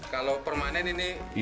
kalau permanen ini